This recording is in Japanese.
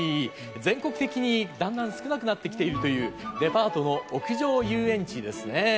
全国的にだんだん少なくなってきているというデパートの屋上遊園地ですね。